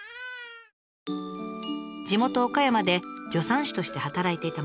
地元岡山で助産師として働いていた雅美さん。